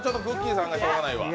さんのはしょうがないわ。